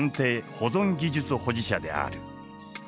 保存技術保持者である。